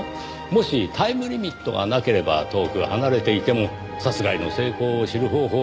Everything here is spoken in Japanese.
もしタイムリミットがなければ遠く離れていても殺害の成功を知る方法はいろいろありますがね。